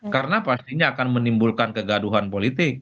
karena pastinya akan menimbulkan kegaduhan politik